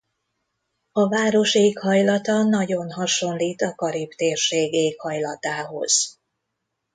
A város éghajlata nagyon hasonlít a Karib-térség éghajlatához.